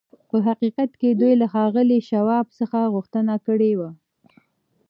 په حقیقت کې دوی له ښاغلي شواب څخه غوښتنه کړې وه